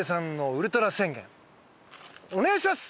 お願いします！